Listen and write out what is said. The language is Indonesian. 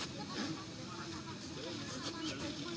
salam dulu sini